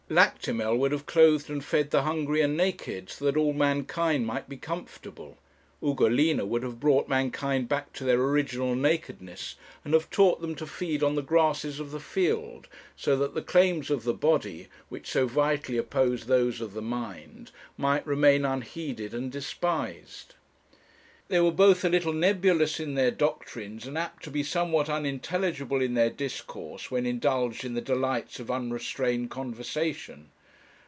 Lactimel would have clothed and fed the hungry and naked, so that all mankind might be comfortable. Ugolina would have brought mankind back to their original nakedness, and have taught them to feed on the grasses of the field, so that the claims of the body, which so vitally oppose those of the mind, might remain unheeded and despised. They were both a little nebulous in their doctrines, and apt to be somewhat unintelligible in their discourse, when indulged in the delights of unrestrained conversation.